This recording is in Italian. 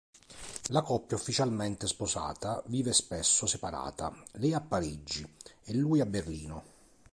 La coppia ufficialmente sposata, vive spesso separata: lei a Parigi e lui a Berlino.